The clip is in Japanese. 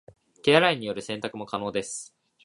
手洗いによる洗濯も可能です